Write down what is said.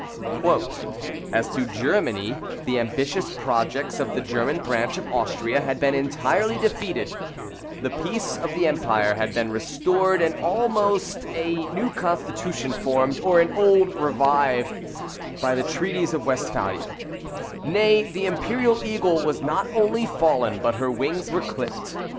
"As to Germany, the ambitious projects of the German branch of Austria had been entirely defeated, the peace of the empire had been restored, and almost a new constitution formed, or an old revived, by the treaties of Westphalia; NAY, THE IMPERIAL EAGLE WAS NOT ONLY FALLEN, BUT HER WINGS WERE CLIPPED."